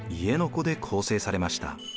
子で構成されました。